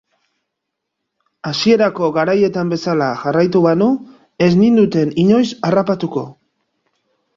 Hasierako garaietan bezala jarraitu banu, ez ninduten inoiz harrapatuko.